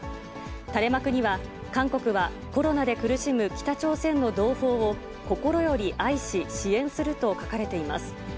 垂れ幕には、韓国はコロナで苦しむ北朝鮮の同胞を心より愛し支援すると書かれています。